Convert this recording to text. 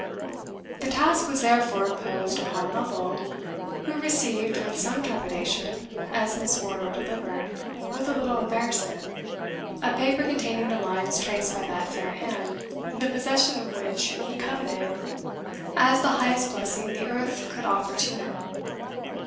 The task was therefore imposed upon Lovel, who received, with some trepidation, as Miss Wardour delivered, with a little embarrassment, a paper containing the lines traced by that fair hand, the possession of which he coveted as the highest blessing the earth could offer to him.